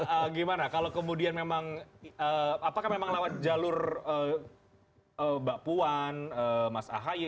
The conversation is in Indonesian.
bang rey gimana kalau kemudian memang apakah memang lawan jalur mbak puan mas ahaye